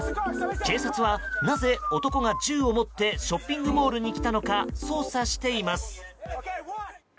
警察は、なぜ男が銃を持ってショッピングモールに来たのか捜査しています。